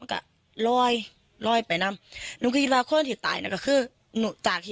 รอยรอยไปน้ำเราเคลรอก็คือนู่นจากเห็น